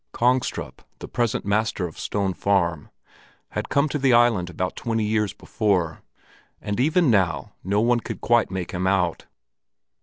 Kongstrup, the present master of Stone Farm, had come to the island about twenty years before, and even now no one could quite make him out.